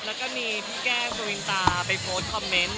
แล้วก็มีพี่แก้มสุรินตาไปโพสต์คอมเมนต์